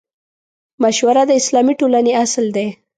مشوره د اسلامي ټولنې اصل دی.